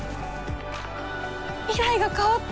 未来が変わった！